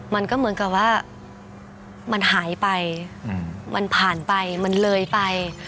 มันก็เหมือนกับว่ามันหายไปมันผ่านไปมันเลยไป